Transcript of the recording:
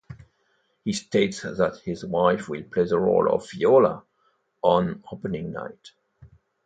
He states that his wife will play the role of Viola on opening night.